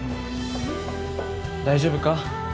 大丈夫か？